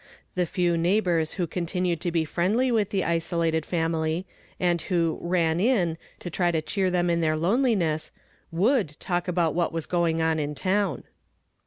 The few neighboi s who continued to be friendly witli the isolated family, and who " ran in" to try to cheer them in their loneliness, tvoidd talk about what was going on in town.